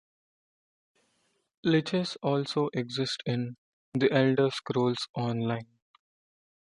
Liches also exist in "The Elder Scrolls Online".